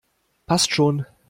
Passt schon!